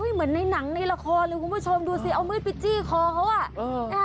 เหมือนในหนังในละครเลยคุณผู้ชมดูสิเอามีดไปจี้คอเขาอ่ะ